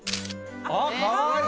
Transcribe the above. あっかわいい！